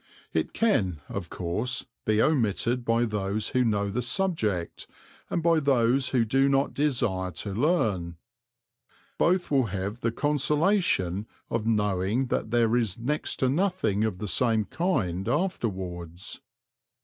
It can, of course, be omitted by those who know the subject and by those who do not desire to learn. Both will have the consolation of knowing that there is next to nothing of the same kind afterwards.